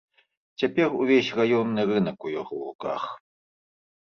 Цяпер увесь раённы рынак у яго руках.